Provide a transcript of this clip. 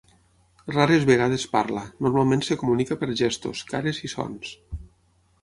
Rares vegades parla, normalment es comunica per gestos, cares i sons.